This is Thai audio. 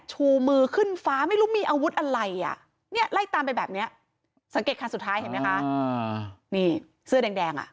สังเกตคันสุดท้ายเห็นไหมคะนี่เสื้อแดงอะ